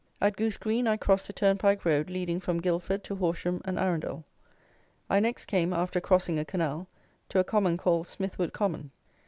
At Goose Green I crossed a turnpike road leading from Guildford to Horsham and Arundel. I next came, after crossing a canal, to a common called Smithwood Common.